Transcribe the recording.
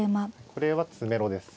これは詰めろです。